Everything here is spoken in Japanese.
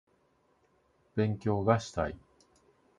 勉強がしたい